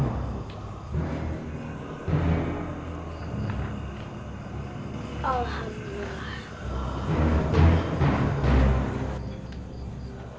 penjaga tolong keluarkan aku